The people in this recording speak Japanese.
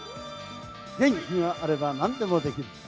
元気があればなんでもできる！